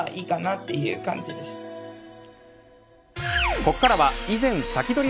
ここからは以前サキドリ！